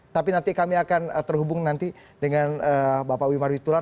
tapi nanti kami akan terhubung nanti dengan bapak wimar witular